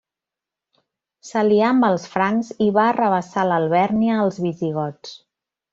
S'alià amb els francs i va arrabassar l'Alvèrnia als visigots.